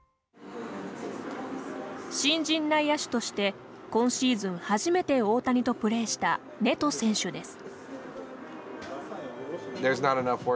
新人内野手として今シーズン初めて大谷とプレーしたネト選手です。